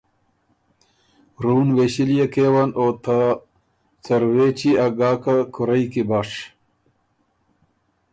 رُون وېݭِليې کېون او ته څروېچی ا ګاکه کُورئ کی بش۔